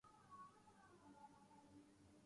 security کے حالات کافی نامساعد تھے